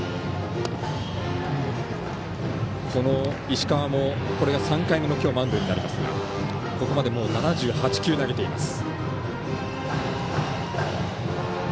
石川もこれが３回目の今日、マウンドになりますがここまで７８球投げています。